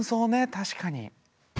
確かに。